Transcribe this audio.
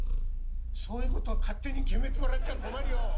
そういうことを勝手に決めてもらっちゃ困るよ！